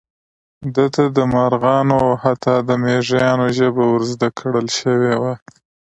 ده ته د مارغانو او حتی د مېږیانو ژبه ور زده کړل شوې وه.